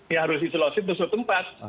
ya harus isolasi di suatu tempat